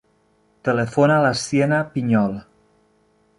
Telefona a la Siena Piñol.